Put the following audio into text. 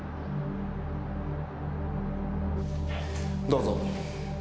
どうぞ。